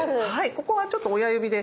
ここはちょっと親指で。